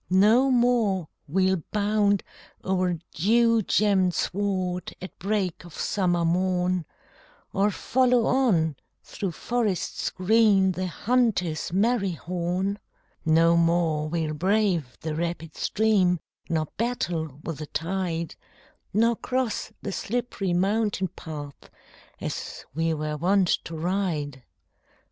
No more we'll bound o'er dew gemmed sward At break of summer morn, Or follow on, through forests green, The hunter's merry horn; No more we'll brave the rapid stream, Nor battle with the tide, Nor cross the slipp'ry mountain path, As we were wont to ride.